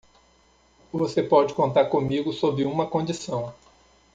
Você pode contar comigo sob uma condição.